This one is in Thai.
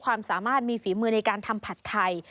ความสามารถมีฝีมือในการทำผัดไทย